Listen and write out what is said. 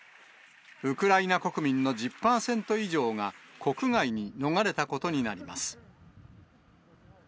ウクライナ国民の１０％以上が国外に逃れたことになります。